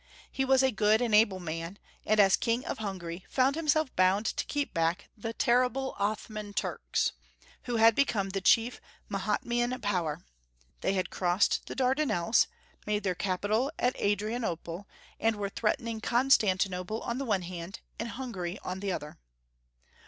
He was a good and able man, and as King of Hungary found him self bound to keep back the terrible Othman Turks, who had become the chief Mahometan power. They had crossed the Dardanelles, made their capital at Adrianople, and were threatening Con stantinople on the one hand, and Hungary on the other.